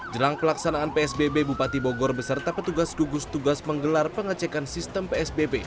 jelang pelaksanaan psbb bupati bogor beserta petugas gugus tugas menggelar pengecekan sistem psbb